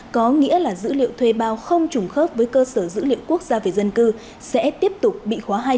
có nghĩa là dữ liệu thuê bao không trùng khớp với cơ sở dữ liệu quốc gia về dân cư sẽ tiếp tục bị khóa hai